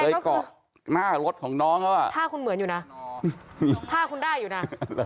เกาะหน้ารถของน้องเขาอ่ะท่าคุณเหมือนอยู่นะท่าคุณได้อยู่น่ะ